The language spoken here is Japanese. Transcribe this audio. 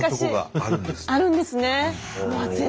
あるんですね。